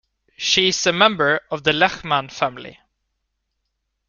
She is a member of the Lehman family.